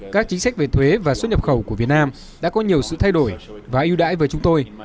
các chính sách về thuế và xuất nhập khẩu của việt nam đã có nhiều sự thay đổi và ưu đãi với chúng tôi